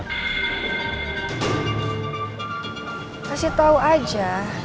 kasih tau aja